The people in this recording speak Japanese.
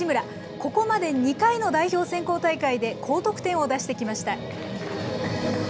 ここまで２回の代表選考大会で、高得点を出してきました。